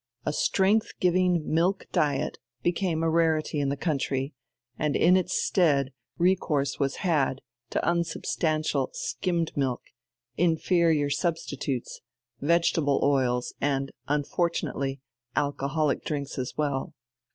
A strength giving milk diet became a rarity in the country, and in its stead recourse was had to unsubstantial skimmed milk, inferior substitutes, vegetable oils, and, unfortunately, alcoholic drinks as well.